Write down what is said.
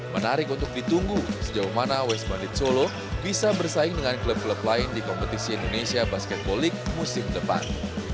menarik untuk ditunggu sejauh mana west bandit solo bisa bersaing dengan klub klub lain di kompetisi indonesia basketball league musim depan